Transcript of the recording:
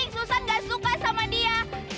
susan gak suka sama dia